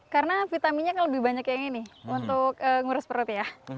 karena vitaminnya lebih banyak yang ini untuk ngurus perut ya